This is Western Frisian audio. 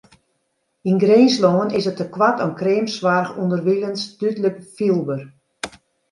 Yn Grinslân is it tekoart oan kreamsoarch ûnderwilens dúdlik fielber.